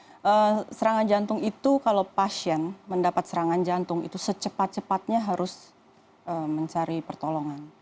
ya serangan jantung itu kalau pasien mendapat serangan jantung itu secepat cepatnya harus mencari pertolongan